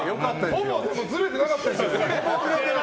ほぼずれてなかったですよ！